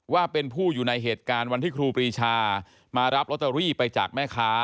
ว่าเป็นผู้อยู่ในเหตุการณ์วันที่ครูปรีชามารับลอตเตอรี่ไปจากแม่ค้า